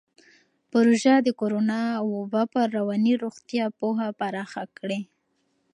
پروژه د کورونا وبا پر رواني روغتیا پوهه پراخه کړې.